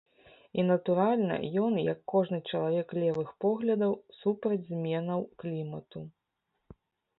І, натуральна, ён, як кожны чалавек левых поглядаў, супраць зменаў клімату.